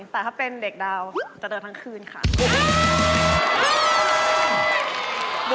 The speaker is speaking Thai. แต่ถ้าเป็นเด็กดาวจะเดินทั้งคืนค่ะ